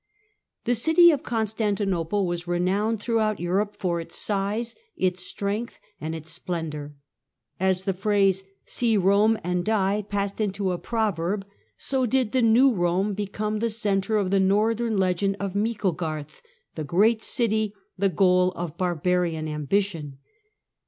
The city of Constantinople was renowned throughout Europe for its size, its strength, and its splendour. As the phrase, " See Rome and die," passed into a proverb, so did the " New Rome " become the centre of the northern legend of " Micklegarth," the "great city," the goal of barbarian ambition.